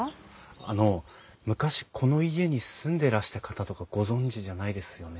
あの昔この家に住んでらした方とかご存じじゃないですよね？